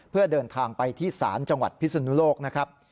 เพื่อเดินทางไปที่ศาลจังหวัดพิศนุโลกนะครับ